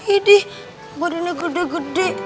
ini badannya gede gede